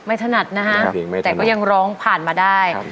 ถนัดนะฮะแต่ก็ยังร้องผ่านมาได้